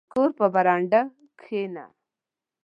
• د کور په برنډه کښېنه.